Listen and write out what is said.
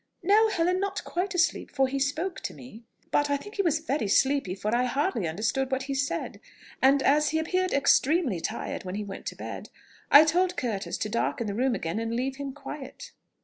"No, Helen, not quite asleep, for he spoke to me. But I think he was very sleepy, for I hardly understood what he said; and as he appeared extremely tired when he went to bed, I told Curtis to darken the room again, and leave him quiet."